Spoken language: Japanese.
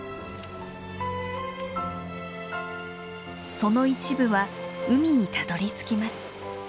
その一部は海にたどりつきます。